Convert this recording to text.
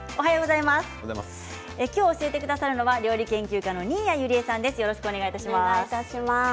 教えてくださるのは料理研究家の新谷友里江さんです。